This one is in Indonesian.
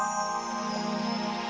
aku akan mengejar mereka